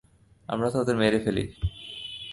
আমরা তাদের মেরে ফেলি।